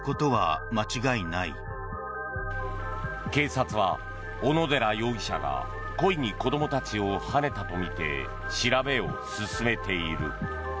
警察は小野寺容疑者が故意に子どもたちをはねたとみて調べを進めている。